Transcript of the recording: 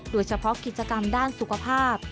โดยเฉพาะกิจกรรมด้านสุขภาพ